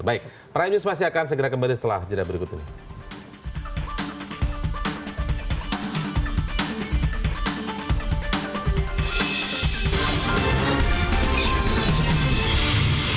baik prime news masih akan segera kembali setelah jeda berikut ini